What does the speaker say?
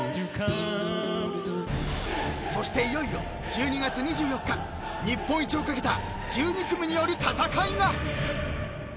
［そしていよいよ１２月２４日日本一を懸けた１２組による戦いが］